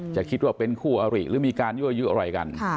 จะคิดว่าเป็นคู่อริหรือมีการยั่วยุอะไรกัน